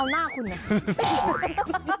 เอาหน้าคุณเนี่ย